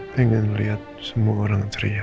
pengen lihat semua orang ceria